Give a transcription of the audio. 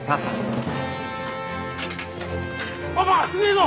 パパすげえぞ！